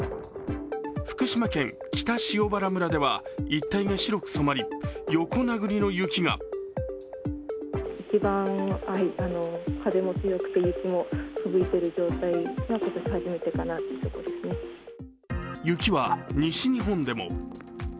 福島県北塩原村では一帯が白く染まり、横殴りの雪が雪は西日本でも。